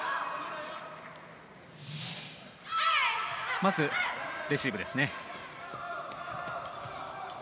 まず、レシーブです。